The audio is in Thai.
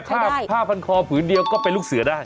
ผ้าพันคอผืนเดียวก็เป็นลูกเสือได้